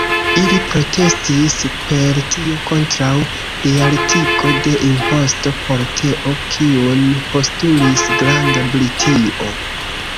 Ili protestis per tio kontraŭ plialtigo de imposto por teo, kiun postulis Granda Britio.